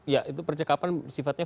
ya itu percakapan sifatnya